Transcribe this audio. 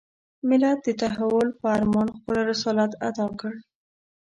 ملت د تحول په ارمان خپل رسالت اداء کړ.